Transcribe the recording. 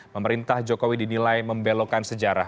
pemerintah jokowi dinilai membelokan sejarah